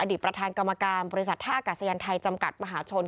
อดีตประธานกรรมกรรมบริษัทท่ากัศยันทร์ไทยจำกัดมหาชน